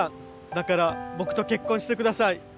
だから僕と結婚してください。